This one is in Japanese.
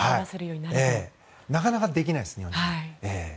なかなかできないです、日本人。